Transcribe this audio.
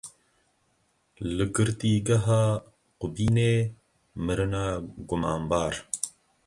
Li Girtîgeha Qubînê mirina gumanbar.